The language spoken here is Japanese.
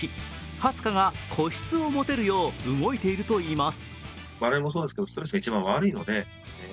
ハツカが個室を持てるよう動いているといいます。